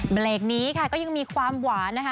เดรงนี้เขายังมีความหวานนะครับ